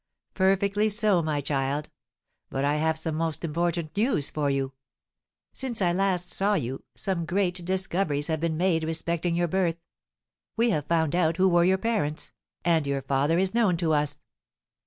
"Perfectly so, my child; but I have some most important news for you. Since I last saw you some great discoveries have been made respecting your birth. We have found out who were your parents, and your father is known to us."